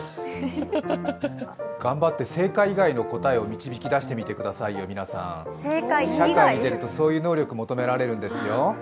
頑張って正解以外の答えを導き出してみてくださいよ、皆さん社会に出るとそういう能力を求められるんですよ。